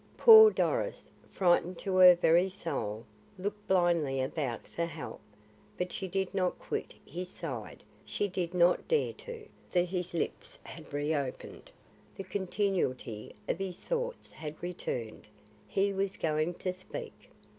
Poor Doris, frightened to her very soul, looked blindly about for help; but she did not quit his side; she did not dare to, for his lips had reopened; the continuity of his thoughts had returned; he was going to speak.